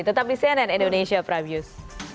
tetap di cnn indonesia prime news